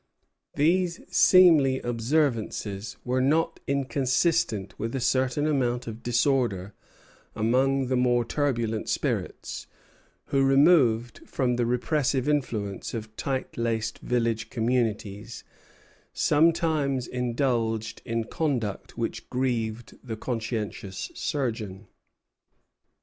These seemly observances were not inconsistent with a certain amount of disorder among the more turbulent spirits, who, removed from the repressive influence of tight laced village communities, sometimes indulged in conduct which grieved the conscientious surgeon.